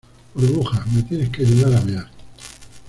burbuja, me tienes que ayudar a mear.